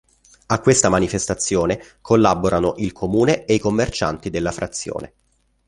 A questa manifestazione collaborano il comune e i commercianti della frazione.